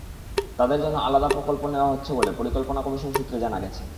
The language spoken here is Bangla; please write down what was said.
তাঁদের জন্য আলাদা প্রকল্প নেওয়া হচ্ছে বলে পরিকল্পনা কমিশন সূত্রে জানা গেছে।